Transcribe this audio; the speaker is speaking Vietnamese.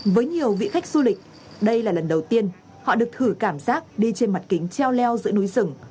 với nhiều vị khách du lịch đây là lần đầu tiên họ được thử cảm giác đi trên mặt kính treo leo giữa núi rừng